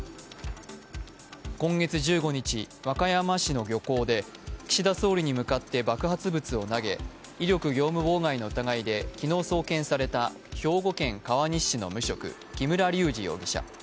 今月１５日、和歌山市の漁港で岸田総理に向かって爆発物を投げ、威力業務妨害の疑いで昨日送検された兵庫県川西市の無職、木村隆二容疑者。